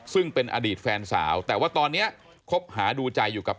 ซึ่งเป็นอดีตแฟนสาวแต่ว่าตอนนี้คบหาดูใจอยู่กับ